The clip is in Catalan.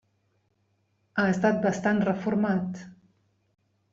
Ha estat bastant reformat.